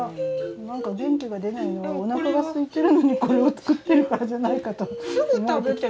何か元気が出ないのはおなかがすいてるのにこれを作ってるからじゃないかと思えてきた。